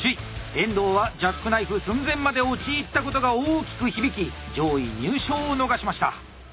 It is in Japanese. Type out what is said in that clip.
遠藤はジャックナイフ寸前まで陥ったことが大きく響き上位入賞を逃しました。